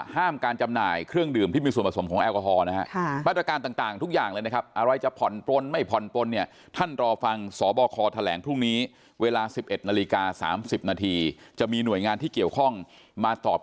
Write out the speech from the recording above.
ห้ามการจำหน่ายเครื่องดื่มที่มีส่วนผสมของแอลกอฮอล์นะฮะ